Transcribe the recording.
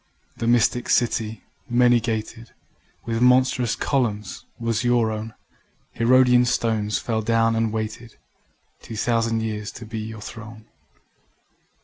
The mystic city many gated, With monstrous columns, was your own: Herodian stones fell down and waited Two thousand years to be your throne.